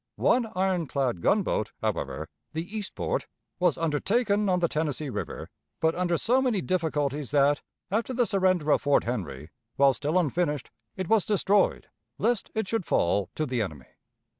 One ironclad gunboat, however, the Eastport, was undertaken on the Tennessee River, but under so many difficulties that, after the surrender of Fort Henry, while still unfinished, it was destroyed, lest it should fall to the enemy.